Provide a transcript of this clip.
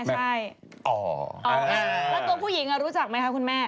ใช่แล้วตัวผู้หญิงรู้จักไหมคะคุณแม่